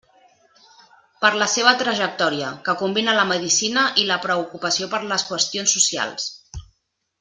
Per la seva trajectòria, que combina la medicina i la preocupació per les qüestions socials.